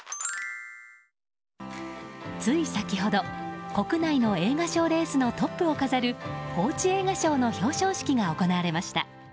つい先ほど、国内の映画賞レースのトップを飾る報知映画賞の表彰式が行われました。